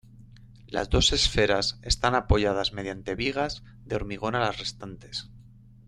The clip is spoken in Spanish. Las dos esferas están apoyadas mediante vigas de hormigón a las restantes.